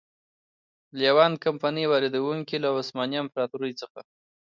لېوانټ کمپنۍ واردوونکو له عثماني امپراتورۍ څخه.